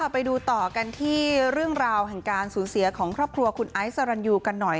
ไปดูต่อกันที่เรื่องราวแห่งการสูญเสียของครอบครัวคุณไอซ์สรรยูกันหน่อย